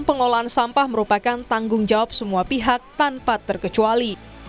pengolahan sampah merupakan tanggung jawab semua pihak tanpa terkecuali